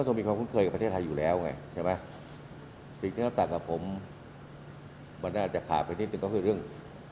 สิ่งนี้ต่างกับผมมันน่าจะขาดไปนิดนึงก็คือเรื่อง